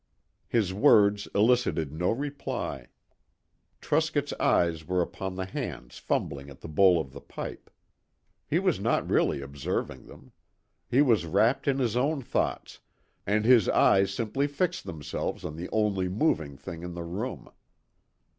His words elicited no reply. Truscott's eyes were upon the hands fumbling at the bowl of the pipe. He was not really observing them. He was wrapped in his own thoughts, and his eyes simply fixed themselves on the only moving thing in the room.